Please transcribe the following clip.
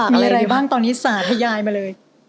มีอะไรบ้างตอนนี้สาธยายมาเลย